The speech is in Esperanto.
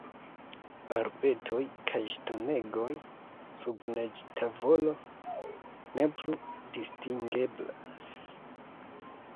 Arbetoj kaj ŝtonegoj, sub neĝtavolo, ne plu distingeblas.